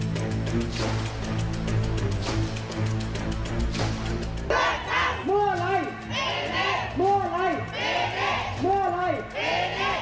เบอร์ชาติมั่วไหล่มีนี้มั่วไหล่มีนี้มั่วไหล่มีนี้